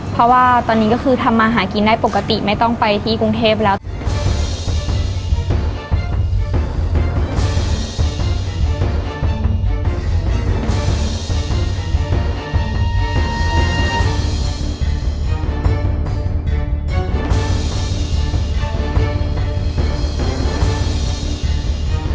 เพราะว่าตอนนี้ก็คือทำมาหากินได้ปกติไม่ต้องไปที่กรุงเทพแล้ว